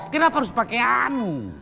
kenapa harus pakai anu